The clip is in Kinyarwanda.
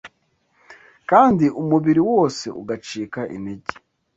kandi umubiri wose ugacika intege